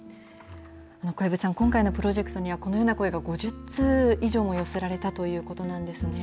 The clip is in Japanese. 小籔さん、今回のプロジェクトには、このような声が５０通以上も寄せられたということなんですね。